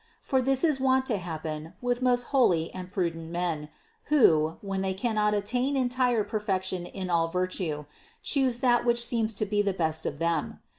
For this is wont to happen with most holy and prudent men, who, when they cannot attain entire per fection in all virtue, choose that which seems to be the best of them.